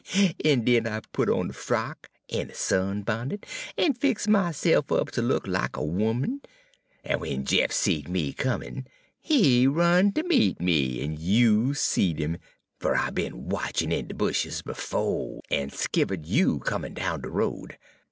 En den I put on a frock en a sunbonnet, en fix' myse'f up ter look lack a 'oman; en w'en Jeff seed me comin', he run ter meet me, en you seed 'im, fer I 'd be'n watchin' in de bushes befo' en 'skivered you comin' down de road.